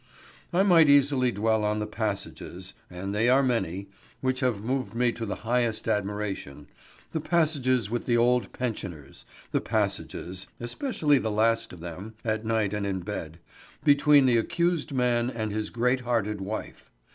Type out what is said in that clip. I might easily dwell on the passages, and they are many, which have moved me to the highest admiration the passages with the old pensioners, the passages (especially the last of them, at night and in bed) between the accused man and his great hearted wife.